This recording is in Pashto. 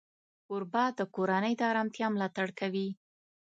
کوربه د کورنۍ د آرامتیا ملاتړ کوي.